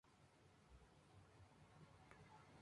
Este nombre es muy popular en Italia gracias a Ubaldo de Gubbio.